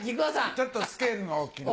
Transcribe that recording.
ちょっとスケールが大きいの。